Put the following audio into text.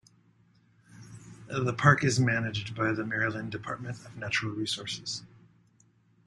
The park is managed by the Maryland Department of Natural Resources.